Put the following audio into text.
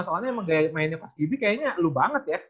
soalnya emang gaya mainnya coach gibi kayaknya lu banget ya